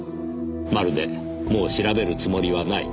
まるでもう調べるつもりはない。